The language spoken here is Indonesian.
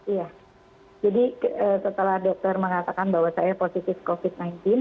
iya jadi setelah dokter mengatakan bahwa saya positif covid sembilan belas